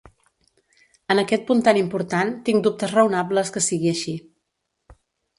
En aquest punt tan important, tinc dubtes raonables que sigui així.